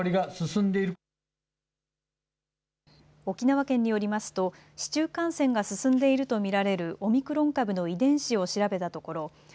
沖縄県によりますと市中感染が進んでいるとみられるオミクロン株の遺伝子を調べたところ